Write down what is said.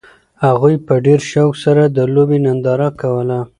هغوی په ډېر شوق سره د لوبې ننداره کوله.